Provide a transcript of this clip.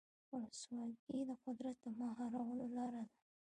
ولسواکي د قدرت د مهارولو لاره ده.